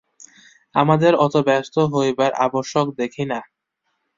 আমাদের অত ব্যস্ত হইবার আবশ্যক দেখি না!